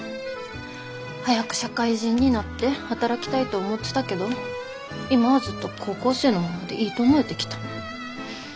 早く社会人になって働きたいと思ってたけど今はずっと高校生のままでいいと思えてきた。